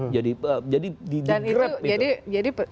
jadi digrep itu